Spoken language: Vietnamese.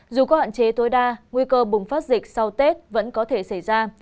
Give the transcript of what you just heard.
dù có hạn chế tối đa nguy cơ bùng phát dịch sau tết vẫn có thể xảy ra